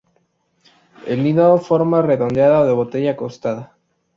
El nido forma redondeada o de botella acostada.